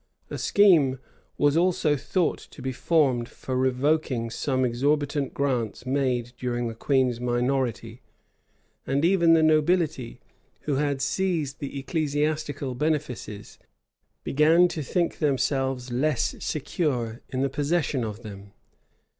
A scheme was also thought to be formed for revoking some exorbitant grants made during the queen's minority, and even the nobility, who had seized the ecclesiastical benefices, began to think themselves less secure in the possession of them.